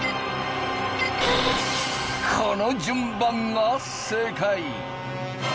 この順番が正解